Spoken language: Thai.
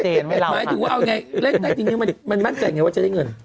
เอาไงอะไรมันมันมั่นจะยังไงว่าจะได้เงิน